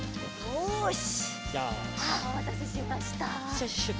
よし！